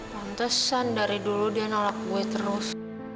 kontesan dari dulu dia nolak gue terus